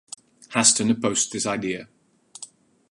Haston opposed this idea.